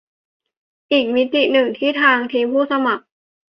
อีกมิติหนึ่ง ที่ทางทีมผู้สมัคร